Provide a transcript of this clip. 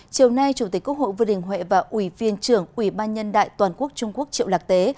chiều nay chủ tịch quốc hội vương đình huệ và ủy viên trưởng ủy ban nhân đại toàn quốc trung quốc triệu lạc tế